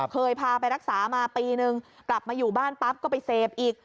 เคยพาไปรักษามาปีนึงกลับมาอยู่บ้านปั๊บก็ไปเสพอีก